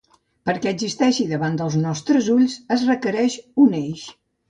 Perquè existeixi davant dels nostres ulls es requereix un eix.